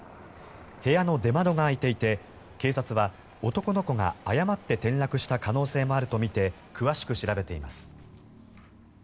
部屋の出窓が開いていて警察は、男の子が誤って転落した可能性もあるとみて詳しく調べています。